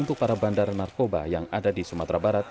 untuk para bandar narkoba yang ada di sumatera barat